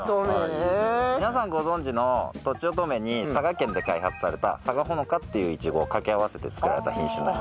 皆さんご存じのとちおとめに佐賀県で開発されたさがほのかっていうイチゴを掛け合わせて作られた品種。